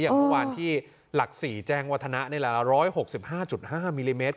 เมื่อวานที่หลัก๔แจ้งวัฒนะนี่แหละ๑๖๕๕มิลลิเมตร